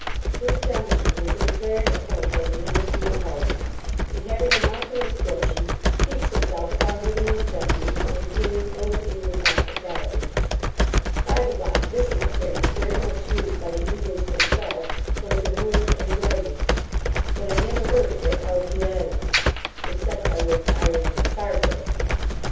This gentleman is a declared opponent of the ministry in parliament; and having an opulent fortune, piques himself upon living in the country, and maintaining old English hospitality By the bye, this is a phrase very much used by the English themselves both in words and writing; but I never heard of it out of the island, except by way of irony and sarcasm.